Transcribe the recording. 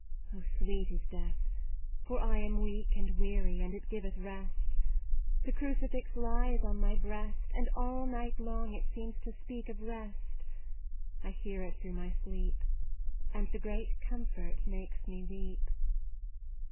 Oh sweet is death, for I am weak And weary, and it giveth rest. The Crucifix lies on my breast, And all night long it seems to speak Of rest; I hear it through my sleep, And the great comfort makes me weep.